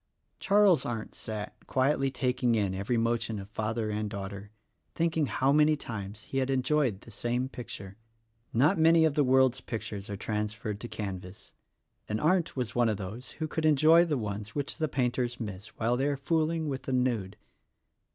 Charles Arndt sat, quietly taking in every motion of father and daughter, thinking how many times he had enjoyed the same picture. Not many of the world's pictures are trans ferred to canvas, and Arndt was one of those who could enjoy the ones which the painters miss while they are fool ing with the nude.